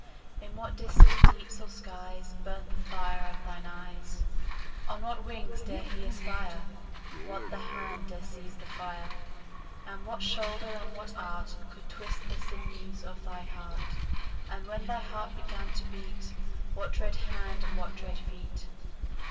In what distant deeps or skies 5 Burnt the fire of thine eyes? On what wings dare he aspire? What the hand dare seize the fire? And what shoulder and what art Could twist the sinews of thy heart? 10 And when thy heart began to beat, What dread hand and what dread feet?